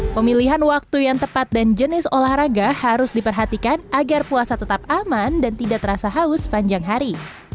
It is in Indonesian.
pemilihan waktu yang tepat dan jenis olahraga harus diperhatikan agar puasa tetap aman dan tidak terasa haus sepanjang hari